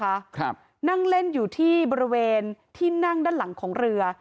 ครับนั่งเล่นอยู่ที่บริเวณที่นั่งด้านหลังของเรือ